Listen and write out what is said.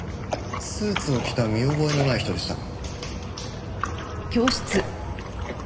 スーツを着た見覚えのない人でした。